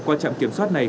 qua trạm kiểm soát này